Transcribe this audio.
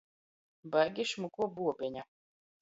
Baigi šmukuo buobeņa.